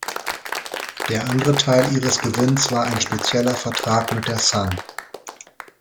Der andere Teil ihres Gewinns war ein spezieller Vertrag mit der Sun.